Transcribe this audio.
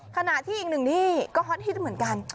ขณะที่อีกหนึ่งนี่ก็ฮอตฮิตเหมือนกัน